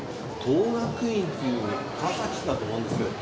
等覚院っていう川崎市だと思うんですけど。